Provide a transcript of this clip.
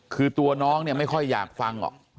คือตัวน้องเนี่ยไม่ค่อยอยากฟังหรอก